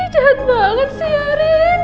cahat banget sih ya rin